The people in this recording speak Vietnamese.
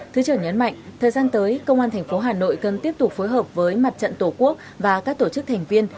thứ trưởng nhấn mạnh thời gian tới công an tp hà nội cần tiếp tục phối hợp với mặt trận tổ quốc và các tổ chức thành viên